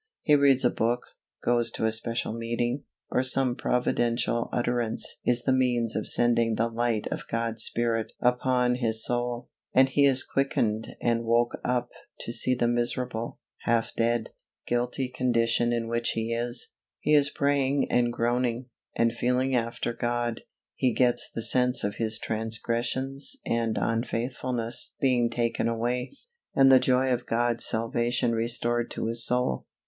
He reads a book, goes to a special meeting, or some providential utterance is the means of sending the light of God's Spirit upon his soul, and he is quickened and woke up to see the miserable, half dead, guilty condition in which he is; he is praying and groaning, and feeling after God; he gets the sense of his transgressions and unfaithfulness being taken away, and the joy of God's salvation restored to his soul.